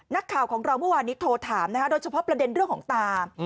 นักข่าวของเราเมื่อวานนี้โทรถามนะคะโดยเฉพาะประเด็นเรื่องของตา